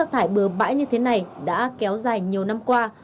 từ nay tỉnh comedy đã trong gia đình jungle nhất đi